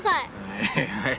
はいはい。